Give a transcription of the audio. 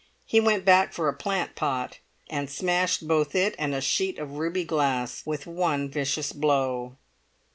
He went back for a plant pot, and smashed both it and a sheet of ruby glass with one vicious blow.